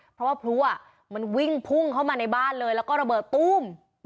เพราะว่าพลุมันวิ่งพุ่งเข้ามาในบ้านเลยแล้วก็ระเบิดตู้ม